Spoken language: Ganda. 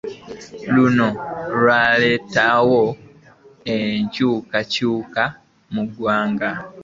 Luno lwaleetawo enkyukakyuka mu ggwanga